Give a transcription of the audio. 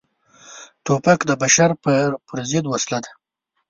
توپک د بشر پر ضد وسله ده.